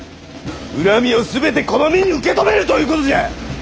恨みを全てこの身に受け止めるということじゃ！